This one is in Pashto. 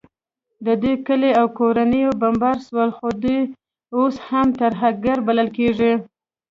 د دوی کلي او کورونه بمبار سول، خو دوی اوس هم ترهګر بلل کیږي